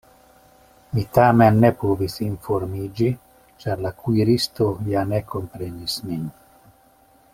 Mi tamen ne povis informiĝi, ĉar la kuiristo ja ne komprenis min.